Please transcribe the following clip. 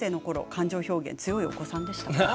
感情表現が強いお子さんでしたか。